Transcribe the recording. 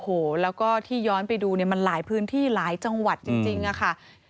โอ้โหแล้วก็ที่ย้อนไปดูเนี่ยมันหลายพื้นที่หลายจังหวัดจริงอะค่ะ